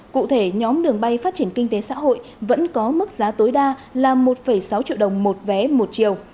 cụ thể nhóm đường bay phát triển kinh tế xã hội vẫn có mức giá tối đa là một sáu triệu đồng một vé một chiều